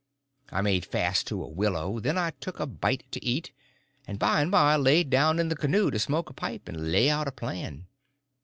I made fast to a willow; then I took a bite to eat, and by and by laid down in the canoe to smoke a pipe and lay out a plan.